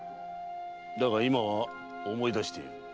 だが今は思い出している。